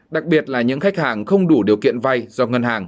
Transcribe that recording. đặc biệt là những khách hàng không đủ điều kiện vay do ngân hàng